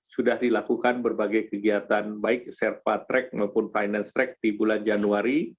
sudah dilakukan berbagai kegiatan baik serpa track maupun finance track di bulan januari